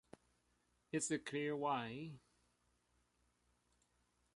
It's clear why.